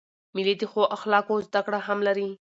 مېلې د ښو اخلاقو زدهکړه هم لري.